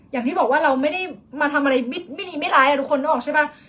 อย่างที่บอกว่าเราไม่ได้มาทำอะไรไม่ดีไม่ร้ายทุกคนนึกออกใช่ป่ะ